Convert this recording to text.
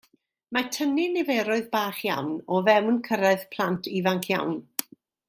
Mae tynnu niferoedd bach iawn o fewn cyrraedd plant ifanc iawn.